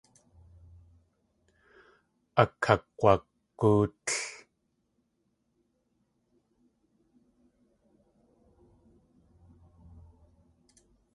Akakg̲wag̲óotl.